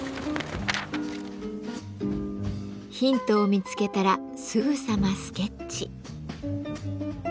ヒントを見つけたらすぐさまスケッチ。